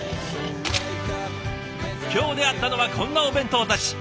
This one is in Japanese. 今日出会ったのはこんなお弁当たち。